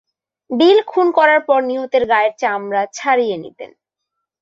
বিল খুন করার পর নিহতের গায়ের চাম, ড়া ছাড়িয়ে নিতেন।